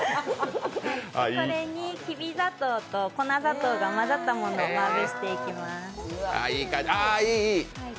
これにきび砂糖と粉砂糖が混ざったものをまぶしていきます。